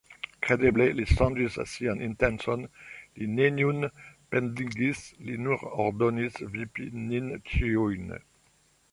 Kredeble, li ŝanĝis sian intencon, li neniun pendigis, li nur ordonis vipi nin ĉiujn.